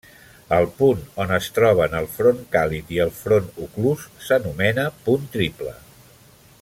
El punt on es troben el front càlid i el front oclús s'anomena punt triple.